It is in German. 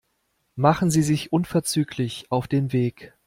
Machen Sie sich unverzüglich auf den Weg.